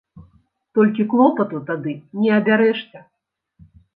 Толькі клопату тады не абярэшся.